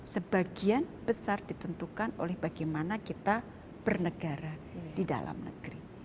sebagian besar ditentukan oleh bagaimana kita bernegara di dalam negeri